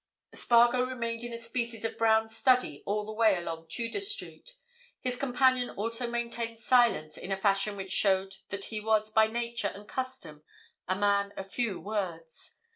Spargo remained in a species of brown study all the way along Tudor Street; his companion also maintained silence in a fashion which showed that he was by nature and custom a man of few words.